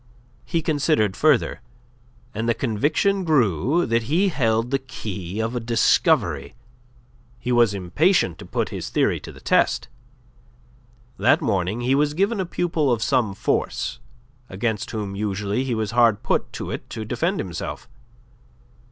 He considered further, and the conviction grew that he held the key of a discovery. He was impatient to put his theory to the test. That morning he was given a pupil of some force, against whom usually he was hard put to it to defend himself.